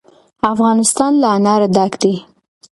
افغانستان له انار ډک دی.